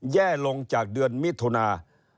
แย่ลงจากเดือนมิถุนา